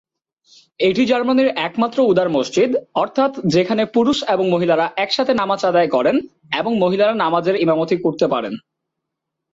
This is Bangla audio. এটি জার্মানির একমাত্র উদার মসজিদ, অর্থাৎ, যেখানে পুরুষ এবং মহিলারা একসাথে নামাজ আদায় করেন এবং মহিলারা নামাজের ইমামতি করতে পারেন।